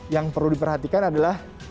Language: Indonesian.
yang perlu diperhatikan adalah